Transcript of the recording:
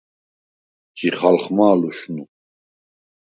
ჯიხალხმა̄ ლუშნუ?